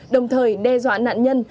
đồng thời đe dọa nạn nhân